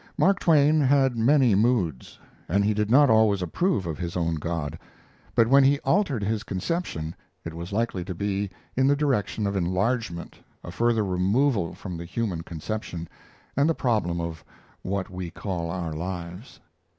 Mark Twain had many moods, and he did not always approve of his own God; but when he altered his conception, it was likely to be in the direction of enlargement a further removal from the human conception, and the problem of what we call our lives.